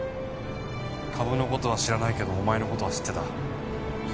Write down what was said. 株の事は知らないけどお前の事は知ってた。